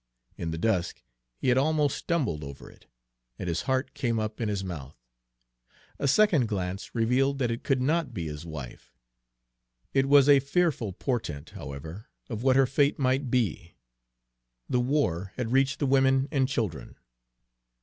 In the dusk he had almost stumbled over it, and his heart came up in his mouth. A second glance revealed that it could not be his wife. It was a fearful portent, however, of what her fate might be. The "war" had reached the women and children.